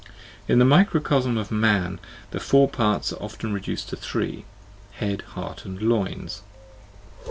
In the microcosm of man the four parts are often reduced to three : Head, Heart, and Loins.